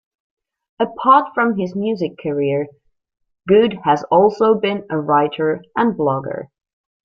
Apart from his music career, Good has also been a writer and blogger.